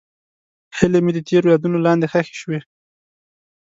هیلې مې د تېر یادونو لاندې ښخې شوې.